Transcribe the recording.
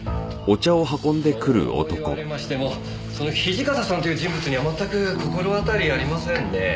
そう言われましてもその土方さんという人物には全く心当たりありませんね。